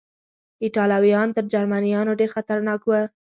ایټالویان تر جرمنیانو ډېر خطرناک و.